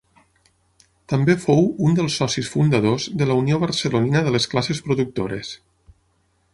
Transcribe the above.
També fou un dels socis fundadors de la Unió Barcelonina de les Classes Productores.